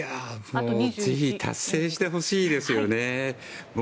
ぜひ達成してほしいですよね。